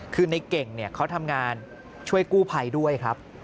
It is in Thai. คือในเก่งเขาทำงานช่วยกู้ภัยด้วยครับ